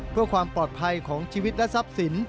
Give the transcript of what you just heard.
เพื่อความปลอดภัยของชีวิตและทรัพย์สิน